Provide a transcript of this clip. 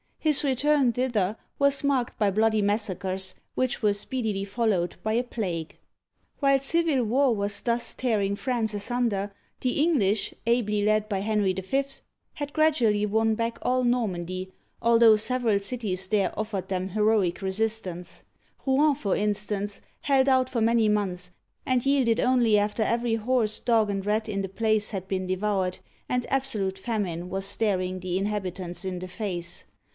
His return thither was marked by bloody massacres, which were speedily followed by a plague. While civil war was thus tearing France asunder, the English, ably led by Henry V., had gradually won back all Normandy, although several cities there offered them heroic resistance. Rouen, for instance, held out for many months, and yielded only after every horse, dog, and rat in the place had been devoured, and absolute famine was staring the inhabitants in the face.